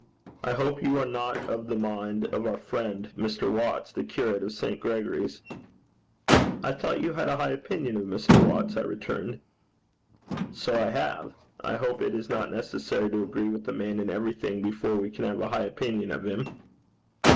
I hope you are not of the mind of our friend Mr. Watts, the curate of St. Gregory's.' 'I thought you had a high opinion of Mr. Watts,' I returned. 'So I have. I hope it is not necessary to agree with a man in everything before we can have a high opinion of him.'